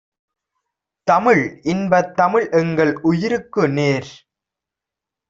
தமிழ் இன்பத் தமிழ்எங்கள் உயிருக்கு நேர்!